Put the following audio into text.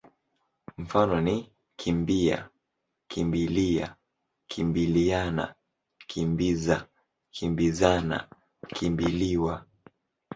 Mifano ni kimbi-a, kimbi-lia, kimbili-ana, kimbi-za, kimbi-zana, kimbi-liwa.